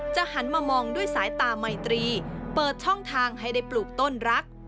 หันมามองด้วยสายตาไมตรีเปิดช่องทางให้ได้ปลูกต้นรัก